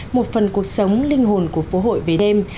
một phần cuộc sống linh hồn của phố hội về đêm